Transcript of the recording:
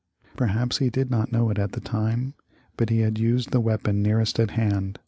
Perhaps he did not know it at the time, but he had used the weapon nearest at hand and had won.